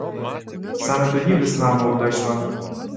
Саме тоді весна молода йшла.